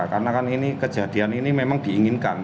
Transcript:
karena kan ini kejadian ini memang diinginkan